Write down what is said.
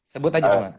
sebut aja semua